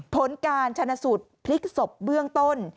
ผลการชนะสูตรพลิกศพเบื้องต้น